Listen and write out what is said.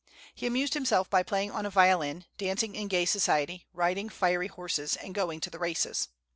He amused himself by playing on a violin, dancing in gay society, riding fiery horses, and going to the races.